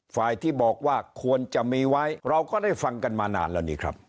ฝ่ายที่บอกว่าควรจะมีไว้เราก็ได้ฟังกันมานานแล้วนี่ครับ